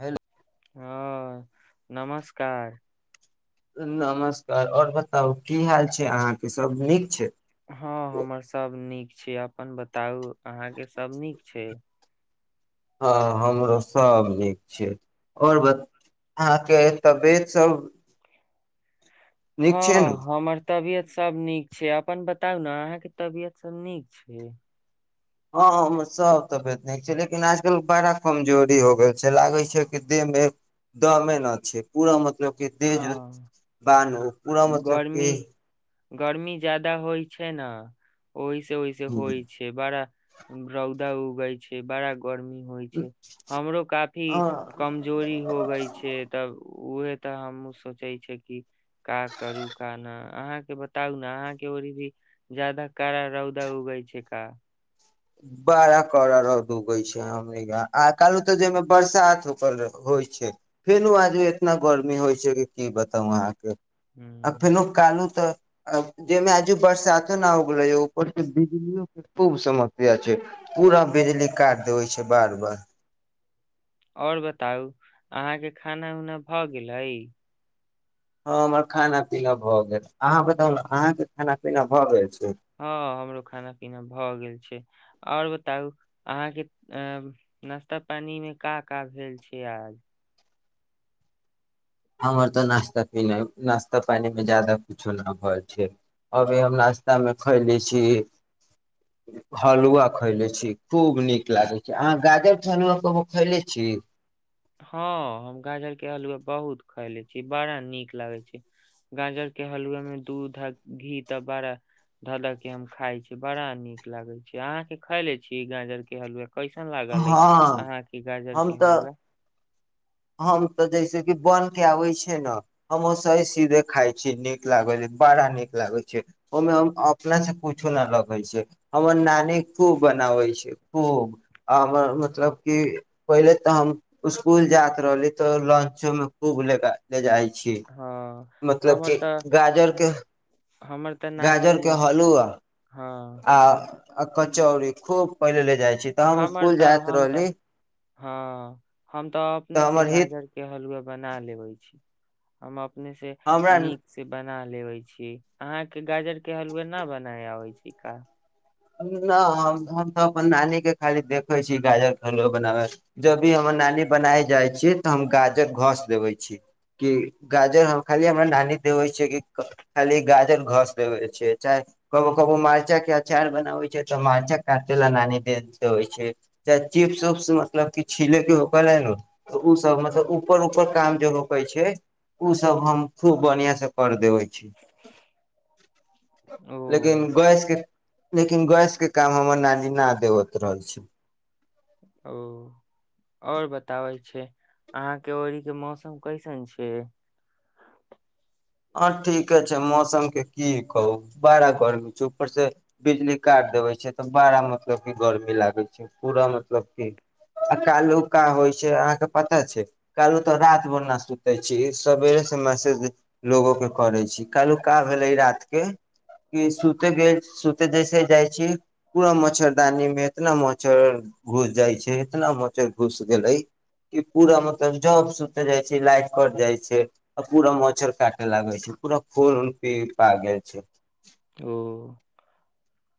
hello हँ नमस्कार नमस्कार और बताउ की हाल छै अहाँके सब नीक छै हँ हमर सब नीक छी अपन बताउ अहाँके सब नीक छै हँ हमरो सभ नीक छै और ब अहाँके तबियतसभ हँ ह मर तबियत सब नीक छै अपन बताउ ने अहाँके तबियत सब नीक छै हँ सँ हयसभ तऽ बेत छै लेकिन आजकल बड़ा कमजोरी हो गेल छै लागै छै कि देह मे दमे नहि छै पूरा म मतलब क देजत हँ बान हो पूरा मतलब की गर्मी गर्मी जादा होइ छै ने ओहिसे ओहिसे होइ छै बड़ा रौदाउ होइ छै बड़ा गर्मी होइ छै हमरो काफी अ, कमजोरी होगई छै तब ओह तऽ हमू सोचे छ कि का करू क न अहाँके बताउ ने अहाँके ओ भी जादा कड़ा रौदा उगै छै का बड़ा कड़ा रौद उगै छै हमर आ काल तऽ जाहिमे बरसात होकर होइ छै फेरू आदमी एतना गर्मी होइ छै कि की बताउ अहाँके आ ह फेनु कालू जेमे हजु बरसातो न उग रहो पर त बीजली खूब समस छै पूरा बिजली काटि देबै छै बार बार और बताउ अहाँके खाना उना भऽ गेलै हँ हमर खाना पीना भऽ गेल अहाँ बताउ ने अहाँके खाना पीना भऽ गेल छै हँ हमरो खाना पीना भऽ गेल छै और बताउ अहाँके अ नाश्ता पानी मे का का भेल छै आज हमर तऽ नाश्ता पीना नाश्ता पीमे ज्यदाा किछो नहि भइ छै अभी हम नाश्तामे खयले छी हलुआ खयले छी खूब नीक लागै छै अहाँ गाजरके हलुआ कहू खयले छी हँ हम गाजर के हलुवए बहुत खायले छी बड़ा नीक लागे छै गाजर के हलुवए मे दूध घी त बड़ा धऽ ध के हम खााय छी बड़ा नीक लागे छै अहाँके खैले छीिय गाजर के हलुआा कइसन लागल ई हँ अहाँके गाजर हम के तऽ हलुआ हम तऽ जैसे कि बनिके आबै छै न हम ओसहि सीधे खाइ छियै नीक लागै है बड़ा नीक लागै छै ओहिमे हम अपनासँ कुछो नहि लगै छै हमर नानी खूब बनाबै छै खूब आ हमर मतलब कि पहिले तऽ हम स्कुल जायत रहली तऽ लंचोमे खूब लेके ले जाइ छी हँ मतलब हमर कि तऽ गाजर के हमर तऽ नानियो गाजर के न हलुआ हँ आ आ कचौरी खूब पहिल ले जाइ छी तऽ हम हमर स्कूल तऽ जाइत हम तऽ रहली हँ हम तऽ अपने से से हमर हित गाजर के हलुवा बना लेवे छै हम अप अपने से हमरा नीक से बन ना लेबै छी अहाँके गाजर के हलुआ ना बनाय आबै छी का ना हम हम तऽ अपन नानी के खाली देखय छी गाजर के बनाबैत जब भी हमर नानी बनाय जाइ छी तऽ हम गाजर घस देबय छी कि गाजर हम खाली हमरा नानी देबे छियै कि खाली गाजर घस देबे छै चाहे कबो कबो मरिचा के अचार बनाबै छै तऽ मरचा काटे ला नानी दे देेबै छैे चाहे चिपस उप्स मतलब कि छीले के होके ले नु उसब मतलब ऊपर ऊपर काम जे होकै छै उ सब हम खूब बढ़ियां से कर देबे छै ओ लेकिन गैसके लेकिन गैस के काम हमर नानी न देबत रहै छै ओर बताबै छै अहाँ के ओनहि के मौसम कैसन छै हँ ठीके छै मौसमके की कहू बड़ा गर्मी छै ऊपरसे बिजली काटि देबै छै तऽ बड़ा मतलब कि गर्मी लागै छै पूरा मतलब कि आ कालो का होइ छै अहाँके पता छै कालहो तऽ राति भरि ना सुतै छी सवेरेसे मैसेज लोगो के करे छी कलुका भेले रात के कि सुते गेल सुते जैसे जाइ छी पूरा मच्छरदानी मे इतना मच्छर घुस जाइ छै इतना मच्छर घुस गेले कि पूरा मतलब जब सुते जाइ छै लाइट कट जाइ छै आ पूरा मच्छर काट लागै छै पूरा खुन उन पी पा गेल छै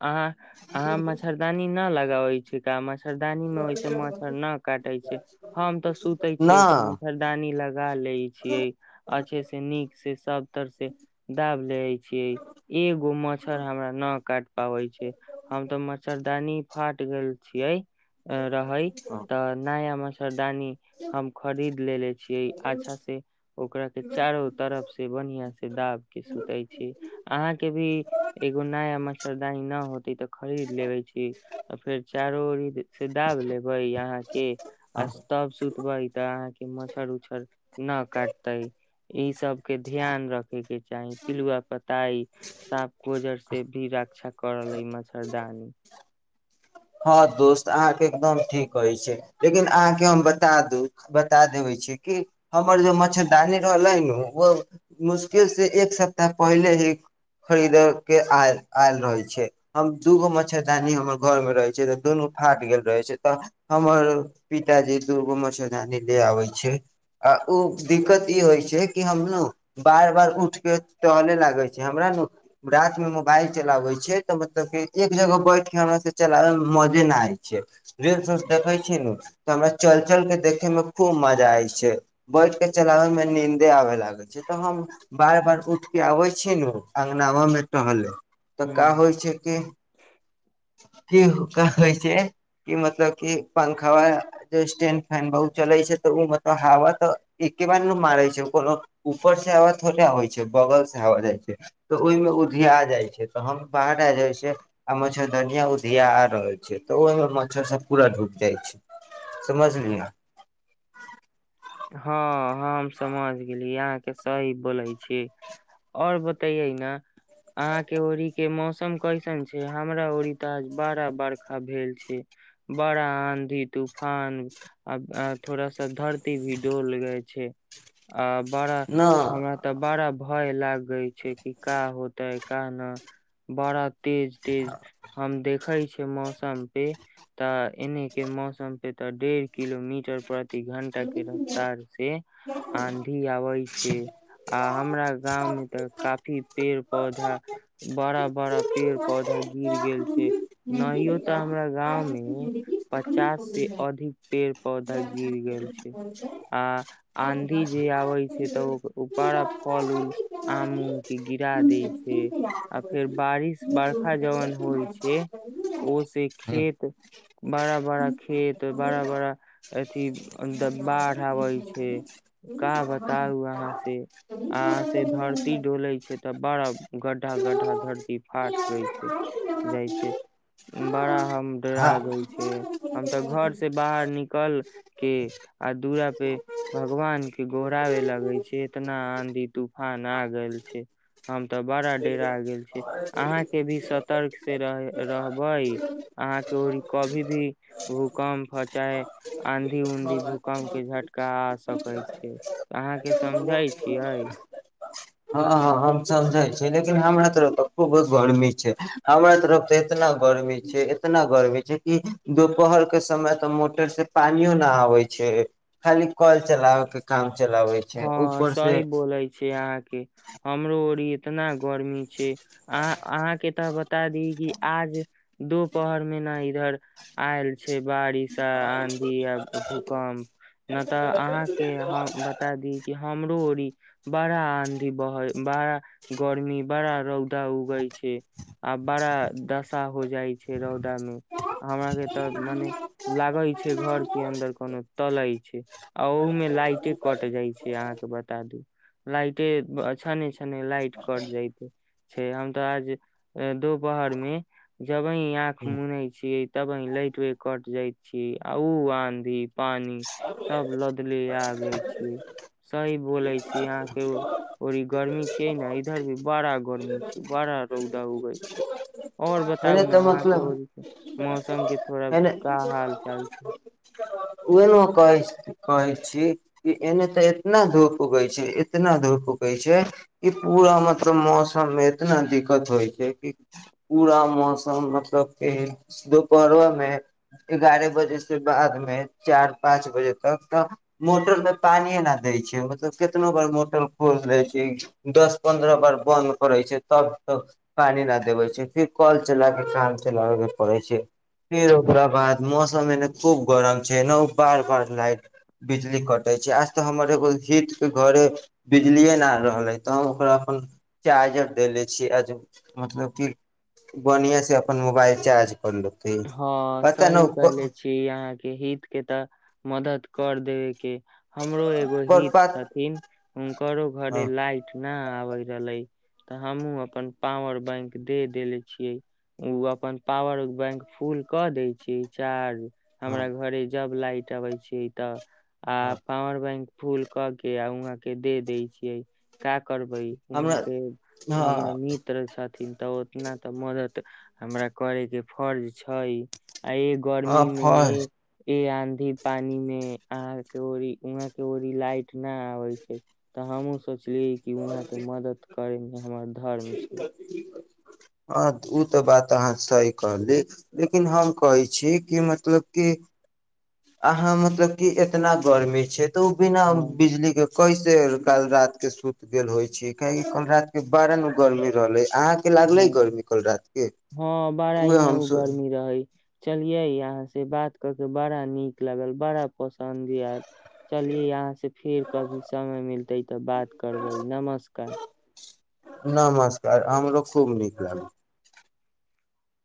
अहाॅं अहाॅं मच्छरदानी न लग लगाबै छै का मच्छ मच्छरदानी में ओहिसे मच्छर न काटे छै हम तऽ सुते न छियै त मच्छरदानी लगा ले छियै अच्छे से नीक से सबतर से दाब ले छियै एगो मच्छर हमरा न काट छै हम तऽ मच्छरदानी फाट गैल छियै रहइ तऽ नया मच्छर दानी हम खरीद लेने छीयै अच्छा से ओकरा के चारो तरफ से बढ़िया से दाब के सुते छी अहाँ के भी एगो नया म मच्छरदानी ना होतै तऽ खरीद लेबे छी आ फेर चारो ओरी जेछै दाब लेबे अहाँ के आ तब सुतबे तऽ अहाँ के मच्छड़ उच्छड़ न काटतै ई सब के ध्यान रखे के चाही पिलुआ पर तै सांप गोजर से भी रख रक्षा करयले मच्छरदानी हँ दोस्त अहाँके एकदम ठीक कहै छै लेकिन अहाँके हम बता दू बता देबे छी कि हमर जे मच्छरदानी रहलै ने ओ मुश्किल से एक सप्ताह पहिले ही खरीद के आल आयल रहे छै हम दूगो मच्छरदानी हमर घर मे रहै जे रहय न फाटि गेल रहे छै त हमर पिताजी दूगो मच्छरदानी ले आबे छै आ ओ दिक्कत ई होइ छै कि हम ने बार बार उठ के टहले लागे छै हमरा न राति मे मोबाइल चलाबे छै तऽ मतलब के एक जगह बैठ के हम चलाबे मजे न आय छै रील्स उल्स देखे छी नु तऽ हमरा चल चल के देखे में खूब मजा आबैछै बैठ के चलाबे में नींदे आबे लागे छै तऽ हम बार बार उठ के आबे छी न अंगनावा में टहले तऽ ह का होइ छै कि [unintelligible] [unintelligible] रहल छै तऽ ओहिमे मच्छर सब पूरा ढुक जाइ छै समझलियै हँ हम हम समझ गेली अहाँके सही बोलै छी ओर बतैयै ने अहाँके ओरी के मौसम कैसन छै हमरा उड़िता बड़ा बरखा भेल छै बड़ा आंधी तूफान आ थोड़ा सा धरती भीडोल लगै छै आ बड़ा न हमरा तऽ बड़ा भय लागे छै कि का होते का ना बड़ा तेज तेज हम देख देखै छै मौसम पे तऽ एने के मौसम पे तऽ डेर किलोमीटर प्रति घण्टा के ार से आंधी आबे छै आ हमरा गाँंव में तऽ काफी पेड़ पौध पौधा बड़ा बड़ा पेड़ पौधा गिर गेल छै नहियो तऽ हमरा गांव मे पचास से अधिक पेड़ पौधा गिर गेल छै आ आधी जे आबै छै तऽ बड़ा फल उल आम उम के गिरा देै छै आ फेर बारिश बरषा जहन होइ छै ओ से खेत बड़ा बड़ा खेत बड़ा बड़ा अथी बाढ़ आबै छै का बताउ अहाँ से आा से धरती डोले छै तऽ बड़ा गड्ढा गड्ढा धरती फाट ग छै जाइ छै बड़ा हम हँ डरागे छै हम तऽ घर से बाहर निकल के आ दूरा पे भगवान के गोरावे लगे छै इतना आंधी तूफान आ ग छै हम तऽ बड़ा डेर आ गेल छी अहा के भी सतर्क से रह रहबै अहा के कभी भी भूकम्प चाहे आंधी उऊंधी भूकम्प के झटका आ सकैत छै अहाँ के समझै छियै हमसब जाइ छी लेकिन हमरा तरफ तऽ खूब गर्मी छै हम तरफ तऽ एतना गर्मी छै एतना गर्मी छै कि दुपहर के समय तऽ मोटर से पानियो न आबै छै खाली कल चलाबे के काम चलाबै छै हँ ऊपर से सही बोलै छै अहाँके हमरो ओर इतना गर्मी छै अह अहाँ के तऽ बता दी कि आज दोपहर महिना इधर आयल छै बारिश आ आंधि आ तुभुकम्प हमरो ओरी बड़ा आँधी बहै बड़ा गर्मी बड़ा रौदा उगै छै आ बड़ा दशा हो जाय छै रौदा मे हमरा के तऽ मने लागे छै घर के अन्दर कोनो तले छै आ ओहू में लाइटे कट जाइ छै अहाँके बता दू लाइटे छान छने लाट कट जाइत छै हम तऽ आज अ, दोपहर में जब आंख मुनई छी तब ह लाइट वे कट जाय छी आ ओ आंधी पानी सब लदली आगे सही बोले छी यहाँ के गर्मी छिय ने इधर भी बड़ा गर्मी छै बड़ा रौदा उगै छै और बताउ एने ने तऽ अहाँके मतलब हो छै मौसम के थोड़ा का हाल चाल छै ओहना कहै कहै छी कि एने तऽ इतना धूप उगै छै इतना धूप उगै छै कि पूरा मतलब मौसममे इतना दिक्कत होइ छै कि पूरा मौसम मतलब क दुपहरोमे एगारह बजे से बादमे चार पाँच बजे तक तऽ मोटर मे पानि न देय छै मतलब कितनो बार मोटर खोल देै छै दस पन्द्रह बार बन्द करे छै तब त पानी न देबे छै फिर कल चला के काम चलाबे के पड़े छै फिर ओकरा बाद मौसम एने खूब गरम छै ओ बार बार लाइट बिजली कटै छै आज तऽ हमर एगो हटके घरे बिजलिए नहि आ रहलै तऽ हम ओकरा अपन चार्जर देले छीियै आज मतलब कि बढ़िआँसँ अपन मोबाइल चार्ज करलहु हँ सही कहले छी अहाँके हित के तऽ मदद कर देब के हमरो एगो हित छथिन हुकरो घरे लाइट न आबे रहल तऽ हमहु अपन पॉावर बैंक दे देेले छियै ओ अपन पावर बैंक फूल कऽ दै छी चार हमरा घरे जब लाइट अबै छै तऽ आ पावर बैंक फूल क के आ वहां के दे दय छियै का करबै वहाँ हमरा के हमर मित्र छ थिन तऽ उतना तऽ मदद हमरा करे के फर्ज छै आ ए गर्मी हँ मे फर्स्ट ए ी पानी मे अहां के ओरी उहां के ओरी लाइट न आबे छै तऽ हमु सोचली कि वहाँके मदद मे हम ठीक छै हँ ओ तऽ बात अहाँ सही कहली लेकिन हम कहै छी कि मतलब कि अहाँ मतलब कि इतना गर्मी छै तऽ ओ बिना हँ बिजली के कैस काल रात के सुति गेल होइ छी काहि कल रात के बारन गर्मी रहलै अहाँके लागलै गरमी हँ कल रातिके उएह हम सोब चलियै अहाँ से बात क के बड़ा नीक लागल बड़ा पसन्द आयत चलियै अहाँ से फेर कभी समय मिलतै तऽ बात करबै नमस्कार नमस्कार हमरो खूब नीक लागल